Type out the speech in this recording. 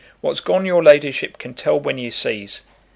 What's gone your ladyship can tell when you sees.